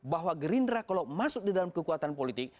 bahwa gerindra kalau masuk di dalam kekuatan politik